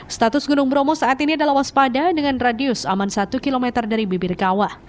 status gunung bromo saat ini adalah waspada dengan radius aman satu km dari bibir kawah